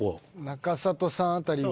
中里さん辺りは。